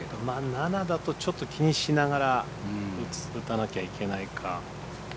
７だとちょっと気にしながら打たなきゃいけないか。